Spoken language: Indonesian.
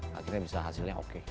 sehingga bisa hasilnya oke